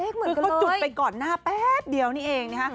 คือเขาจุดไปก่อนหน้าแป๊บเดียวนี่เองนะฮะ